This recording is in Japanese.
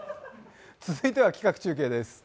続いては企画中継です。